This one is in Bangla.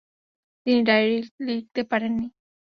তিনি ডায়েরি লিখতে পারেন নি।